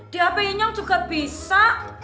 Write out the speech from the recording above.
di hp nya juga bisa